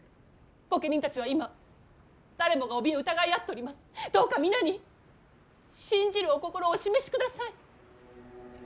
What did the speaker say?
御家人たちは今誰もがおびえ疑い合っております。どうか皆に信じるお心をお示しください。